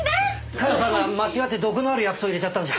加代さんが間違って毒のある薬草入れちゃったんじゃ。